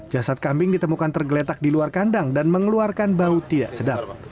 jasad kambing ditemukan tergeletak di luar kandang dan mengeluarkan bau tidak sedap